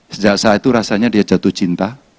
sejak saat itu rasanya dia jatuh cinta